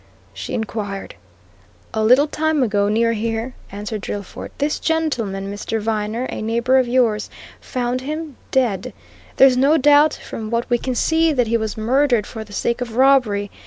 she inquired. "A little time ago, near here," answered Drillford. "This gentleman, Mr. Viner, a neighbour of yours, found him dead. There's no doubt, from what we can see, that he was murdered for the sake of robbery.